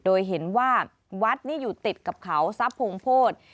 โดยเห็นว่าวัดนี่อยู่ติดกับเขาทรัพย์พงโพธิ